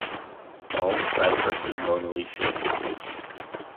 Bald cypress is monoecious.